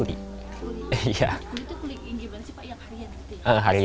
kuli tuh kuli yang gimana sih pak yang harian